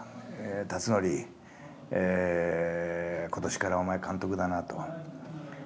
「辰徳今年からお前監督だな」と。